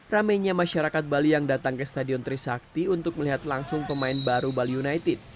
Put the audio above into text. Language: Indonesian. ramainya masyarakat bali yang datang ke stadion trisakti untuk melihat langsung pemain baru bali united